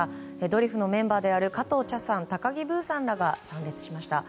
ドリフのメンバーである加藤茶さん、高木ブーさんらが参列しました。